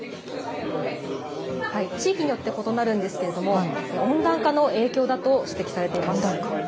地域によって異なるんですけれども、温暖化の影響だと指摘されています。